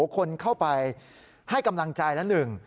คนเข้าไปให้กำลังใจละหนึ่ง